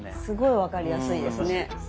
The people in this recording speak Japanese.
すごい分かりやすいですね。